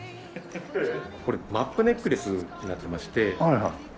これマップネックレスになっていまして。